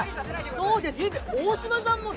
そうです。